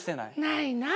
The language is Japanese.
ないな。